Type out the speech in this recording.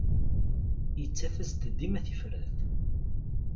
Yettaf-as-d dima tifrat.